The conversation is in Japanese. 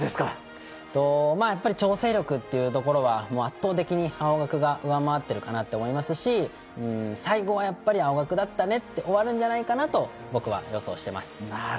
やっぱり調整力という点では圧倒的に青学が上回っているかなと思いますし最後はやっぱり青学だったねって終わるんじゃないかと僕は予想しています。